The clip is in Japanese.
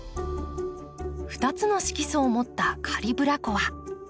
２つの色素を持ったカリブラコア。